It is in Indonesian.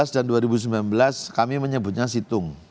dua belas dan dua ribu sembilan belas kami menyebutnya situng